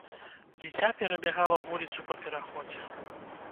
Дзіця перабягала вуліцу па пераходзе.